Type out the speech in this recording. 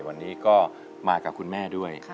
วันนี้ก็มากับคุณแม่ด้วย